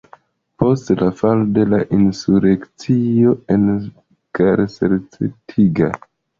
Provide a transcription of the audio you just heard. Post falo de la insurekcio enkarcerigita.